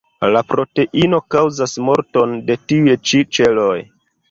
La proteino kaŭzas morton de tiuj ĉi ĉeloj.